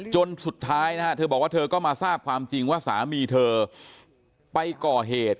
จนสุดท้ายนะฮะเธอบอกว่าเธอก็มาทราบความจริงว่าสามีเธอไปก่อเหตุ